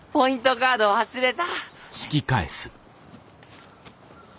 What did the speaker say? カード忘れた。